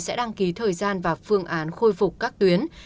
sẽ đăng ký thời gian và phương án khôi phục các tuyến